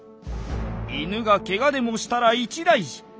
「犬がケガでもしたら一大事。